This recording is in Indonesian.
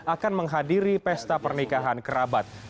akan menghadiri pesta pernikahan kerabat